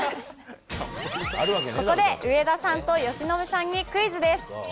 ここで上田さんと由伸さんにクイズです。